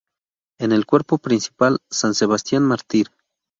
En el cuerpo principal, San Sebastián Mártir.